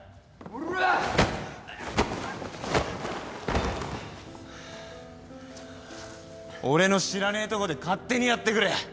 俺の知らねえとこで勝手にやってくれ。